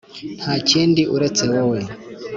nta kindi uretse wowe